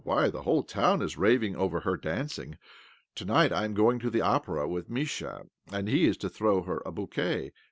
Why, the whole town is ravihg over her dancing. To night I am going to the Opera with Mischa, and he is to throw her a bouquet.